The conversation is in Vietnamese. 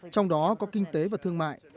trong đó có kinh tế và thương mại